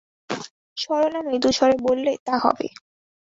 সরলা মৃদুস্বরে বললে, তা হবে।